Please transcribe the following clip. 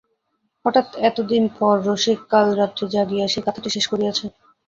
হঠাৎ এতদিন পরে রসিক কাল রাত্রি জাগিয়া সেই কাঁথাটি শেষ করিয়াছে।